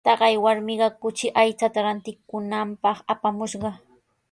Taqay warmiqa kuchi aychata rantikunanpaq apamushqa.